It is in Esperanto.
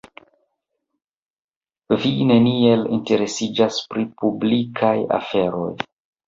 Vi neniel interesiĝas pri publikaj aferoj.